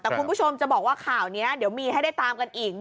แต่คุณผู้ชมจะบอกว่าข่าวนี้เดี๋ยวมีให้ได้ตามกันอีก